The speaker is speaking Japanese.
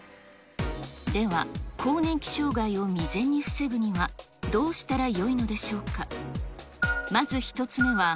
では、更年期障害を未然に防ぐには、どうしたらよいのでしょうか。